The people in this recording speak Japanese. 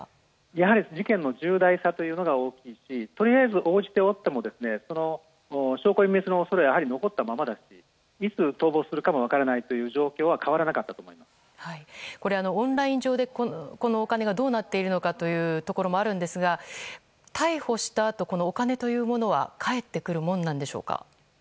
やはり事件の重大さというのが大きいし、とりあえず応じても証拠隠滅の恐れが残ったままでいつ逃亡するかも分からない状況はオンライン上でこのお金がどうなっているのかというところもあるんですが、逮捕したあとお金というものは返ってくるものでしょうか。